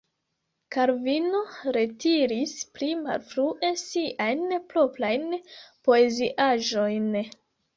Kalvino retiris pli malfrue siajn proprajn poeziaĵojn.